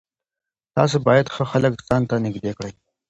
تاسو باید ښه خلک خپل ځان ته نږدې کړئ.